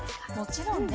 もちろんね。